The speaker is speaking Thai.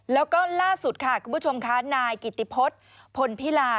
แล้วก็ล่าสุดค่ะคุณผู้ชมค่ะนายกิติพฤษพลพิลา